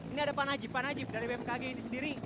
ini ada pak najib pak najib dari bmkg ini sendiri